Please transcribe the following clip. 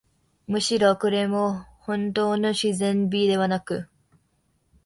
むしろ、これもほんとうの自然美ではなく、